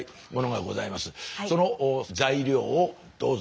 その材料をどうぞ。